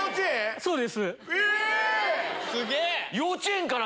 そうです。